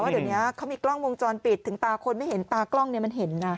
เดี๋ยวนี้เขามีกล้องวงจรปิดถึงตาคนไม่เห็นตากล้องเนี่ยมันเห็นนะ